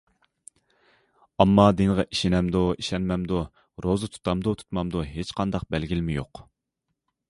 ئامما دىنغا ئىشىنەمدۇ، ئىشەنمەمدۇ، روزا تۇتامدۇ، تۇتمامدۇ، ھېچقانداق بەلگىلىمە يوق.